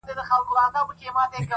دغه خوار ملنگ څو ځايه تندی داغ کړ،